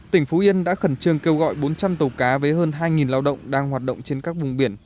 tỉnh phú yên đã khẩn trương kêu gọi bốn trăm linh tàu cá với hơn hai lao động đang hoạt động trên các vùng biển